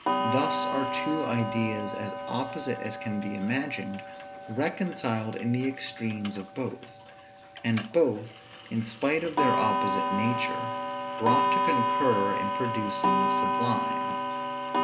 Thus are two ideas as opposite as can be imagined reconciled in the extremes of both; and both, in spite of their opposite nature, brought to concur in producing the sublime.